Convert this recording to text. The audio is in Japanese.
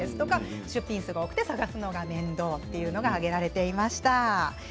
出品数が多くて探すのが面倒ということが挙げられていました。